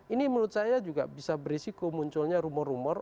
ini menurut saya juga bisa berisiko munculnya rumor rumor